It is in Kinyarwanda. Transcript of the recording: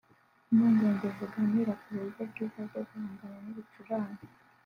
n’impuguke ziganira ku buryo bwiza bwo guhangana n’ibicurane